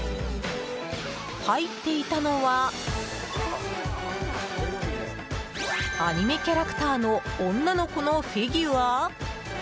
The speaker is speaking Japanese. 入っていたのはアニメキャラクターの女の子のフィギュア。